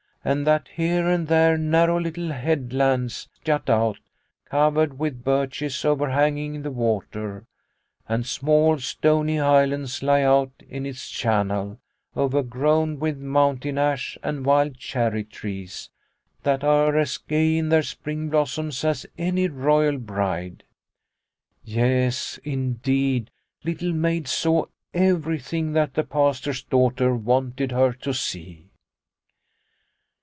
And that here and there narrow little headlands jut out, covered with birches over hanging the water. And small stony islands lie out in its channel, overgrown with mountain ash and wild cherry trees that are as gay in their spring blossoms as any royal bride/' Yes, indeed, Little Maid saw everything that the Pastor's daughter wanted her to see.